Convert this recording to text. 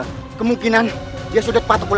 apa menemani aku seperti ini